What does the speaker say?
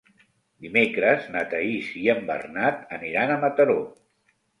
Dimecres na Thaís i en Bernat aniran a Mataró.